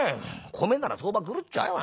米なら相場狂っちゃうよ。